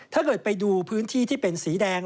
ถ้าเกิดไปดูพื้นที่ที่เป็นสีแดง